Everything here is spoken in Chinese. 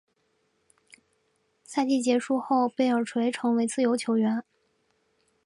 赛季结束后贝尔垂成为自由球员。